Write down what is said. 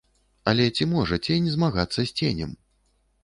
Але ці можа цень змагацца з ценем?